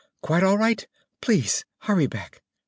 Quite all right? Please hurry back?